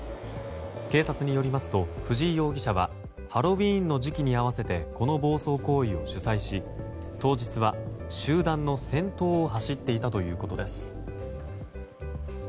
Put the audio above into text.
警察によりますと、藤井容疑者はハロウィーンの時期に合わせてこの暴走行為を主催し当日は集団の先頭を走っていたということです。